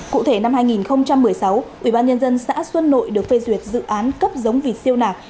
cụ thể năm hai nghìn một mươi sáu ubnd xã xuân nội được phê duyệt dự án cấp giống vịt siêu nạc